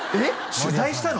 取材したの！？